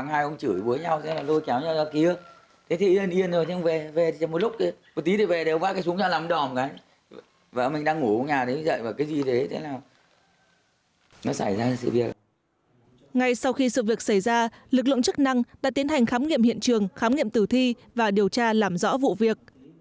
ngay sau khi sự việc xảy ra lực lượng chức năng đã tiến hành khám nghiệm hiện trường khám nghiệm tử thi và điều tra làm rõ vụ việc